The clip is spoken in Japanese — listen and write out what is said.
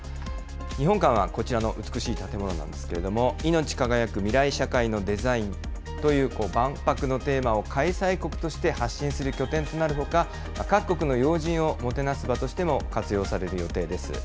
日本館はこちらの美しい建物なんですけれども、いのち輝く未来社会のデザインという万博のテーマを開催国として発信する拠点となるほか、各国の要人をもてなす場としても活用される予定です。